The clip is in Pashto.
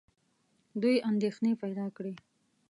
دوی اندېښنې پیدا کړې.